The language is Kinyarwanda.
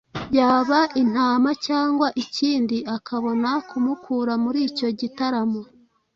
yaba intama cyangwa ikindi akabona kumukura muri icyo gitaramo.